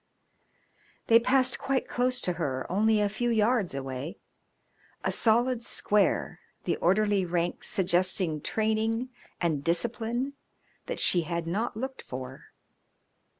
They passed quite close to her, only a few yards away a solid square, the orderly ranks suggesting training and discipline that she had not looked for.